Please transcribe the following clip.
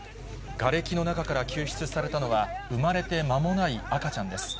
がれきの中から救出されたのは、生まれて間もない赤ちゃんです。